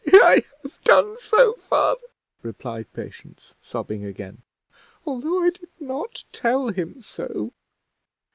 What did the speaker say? "I have done so, father," replied Patience, sobbing again, "although I did not tell him so."